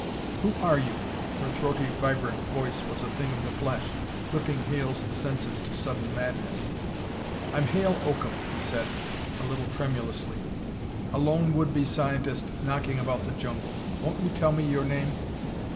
"Who are you?" Her throaty, vibrant voice was a thing of the flesh, whipping Hale's senses to sudden madness. "I'm Hale Oakham," he said, a little tremulously, "a lone, would be scientist knocking about the jungle. Won't you tell me your name?"